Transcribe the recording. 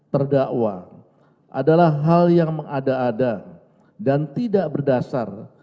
terdakwa adalah hal yang mengada ada dan tidak berdasar